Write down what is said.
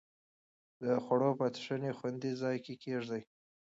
د خوړو پاتې شوني خوندي ځای کې کېږدئ.